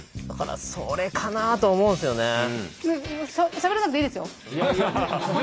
だからそれかなと思うんですよね。